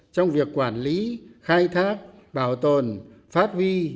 trong việc quản lý khai thác bảo tồn phát huy